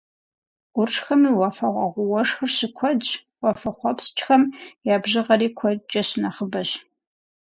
Къуршхэми уафэгъуагъуэ уэшхыр щыкуэдщ, уафэхъуэпскӏхэм я бжыгъэри куэдкӏэ щынэхъыбэщ.